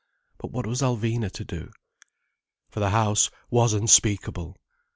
But what was Alvina to do? For the house was unspeakable.